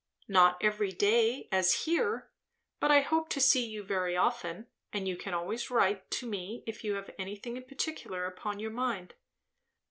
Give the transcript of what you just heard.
"Not every day, as here. But I hope to see you very often; and you can always write to me if you have anything in particular upon your mind."